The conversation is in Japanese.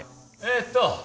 えっと